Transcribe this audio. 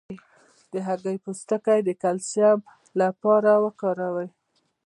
د هګۍ پوستکی د کلسیم لپاره وکاروئ